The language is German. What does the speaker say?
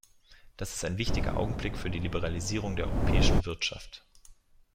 Das ist ein wichtiger Augenblick für die Liberalisierung der europäischen Wirtschaft.